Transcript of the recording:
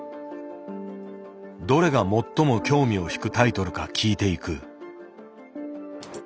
どれが最も興味を引くタイトルか聞いていく。